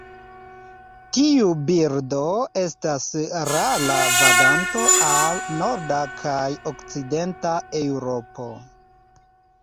Tiu birdo estas rara vaganto al norda kaj okcidenta Eŭropo.